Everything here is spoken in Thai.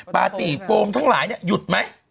ปาร์ตี้โฟมทั้งหลายหยุดไหม